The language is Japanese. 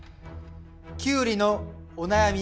キュウリのお悩み